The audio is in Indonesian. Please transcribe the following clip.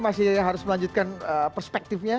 masih harus melanjutkan perspektifnya